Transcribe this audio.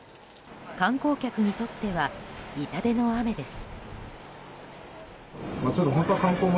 観光客にとっては痛手の雨です。